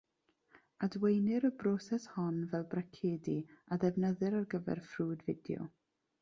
Adwaenir y broses hon fel bracedu a ddefnyddir ar gyfer ffrwd fideo.